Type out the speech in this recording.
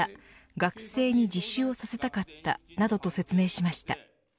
学生に自首をさせたかったなどと説明しました。